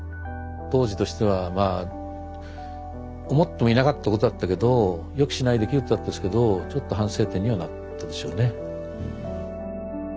当時としてはまあ思ってもいなかったことだったけど予期しない出来事だったですけどちょっと反省点にはなったでしょうね。